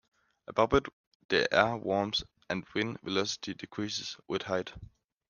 Above it, the air warms and wind velocity decreases with height.